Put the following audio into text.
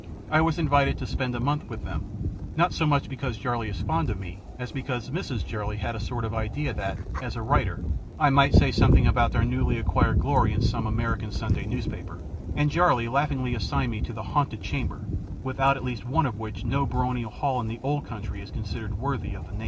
I was invited to spend a month with them, not so much because Jarley is fond of me as because Mrs. Jarley had a sort of an idea that, as a writer, I might say something about their newly acquired glory in some American Sunday newspaper; and Jarley laughingly assigned to me the "haunted chamber," without at least one of which no baronial hall in the old country is considered worthy of the name.